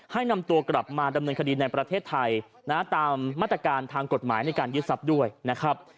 ให้นำตัวกลับมาดำเนินคดีในประเทศไทยนะตามมาตรการทางกฎหมายในการยึดทรัพย์ด้วยนะครับ